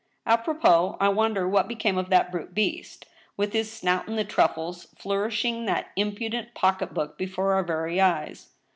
'*A propos, I wonder what became of that brute beast, with his snout in the truffles, flourishing that impudent pocket book before our very eyes